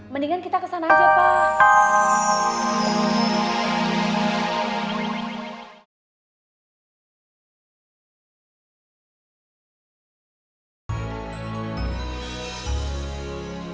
mendingan kita kesana aja pak